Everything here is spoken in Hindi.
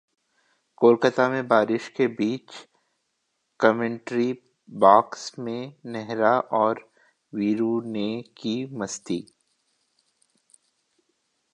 कोलकाता में बारिश के बीच कमेंट्री बॉक्स में नेहरा और वीरू ने की मस्ती